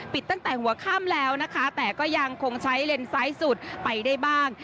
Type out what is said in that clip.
ตั้งแต่หัวค่ำแล้วนะคะแต่ก็ยังคงใช้เลนซ้ายสุดไปได้บ้าง